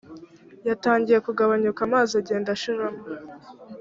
yatangiye kugabanuka amazi agenda ashiramo